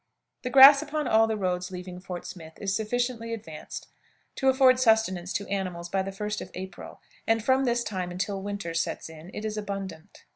The grass upon all the roads leaving Fort Smith is sufficiently advanced to afford sustenance to animals by the first of April, and from this time until winter sets in it is abundant.